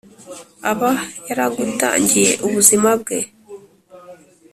aba yaragutangiye ubuzima bwe.